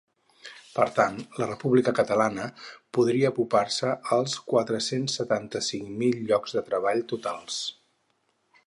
Per tant, la república catalana podria apropar-se als quatre-cents setanta-cinc mil llocs de treball totals.